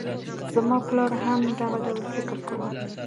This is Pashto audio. زما پلار هم دغه ډول فکر کاوه.